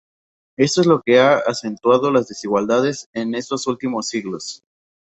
Esto es lo que ha acentuado las desigualdades en estos últimos siglos.